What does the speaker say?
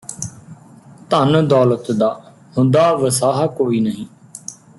ਧੰਨ ਦੌਲਤ ਦਾ ਹੁੰਦਾ ਵਸਾਹ ਕੋਈ ਨਹੀਂ